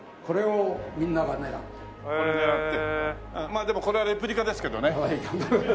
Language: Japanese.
まあでもこれはレプリカですけどね。